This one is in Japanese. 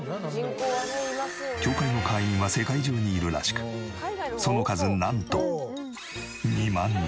協会の会員は世界中にいるらしくその数なんと２万人。